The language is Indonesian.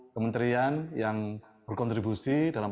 kementerian yang berkontribusi dalam